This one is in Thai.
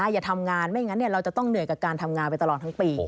อย่าทำงานไม่งั้นเราจะต้องเหนื่อยกับการทำงานไปตลอดทั้งปี